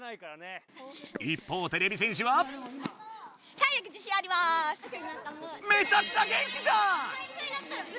一方てれび戦士はめちゃくちゃ元気じゃん！